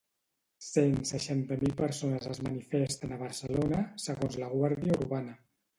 Cent seixanta mil persones es manifesten a Barcelona, segons la guàrdia urbana.